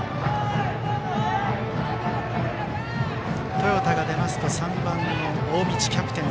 豊田が出ますと３番の大道キャプテン